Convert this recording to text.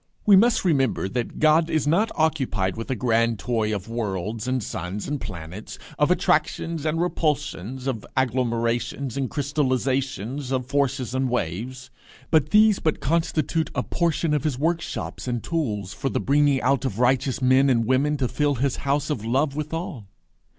We must remember that God is not occupied with a grand toy of worlds and suns and planets, of attractions and repulsions, of agglomerations and crystallizations, of forces and waves; that these but constitute a portion of his workshops and tools for the bringing out of righteous men and women to fill his house of love withal.